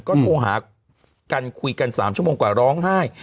ก็โทรหากันคุยกัน๓ชั่วโมงกว่าร้องไห้